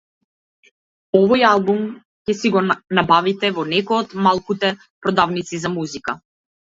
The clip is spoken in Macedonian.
Овој албум ќе си го набавите во некоја од малкуте продавници за музика.